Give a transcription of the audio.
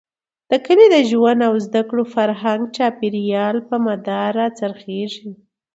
د کلي د ژوند او زده کړو، فرهنګ ،چاپېريال، په مدار را څرخېږي.